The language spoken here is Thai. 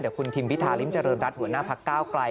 คุณทิมพิธาริมเจริญรัฐหัวหน้าพักก้าวไกล